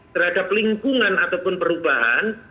terhadap lingkungan ataupun perubahan